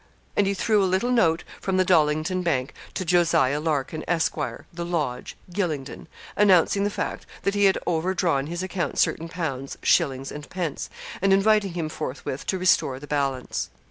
And he threw a little note from the Dollington Bank to Jos. Larkin, Esq., The Lodge, Gylingden, announcing the fact that he had overdrawn his account certain pounds, shillings, and pence, and inviting him forthwith to restore the balance.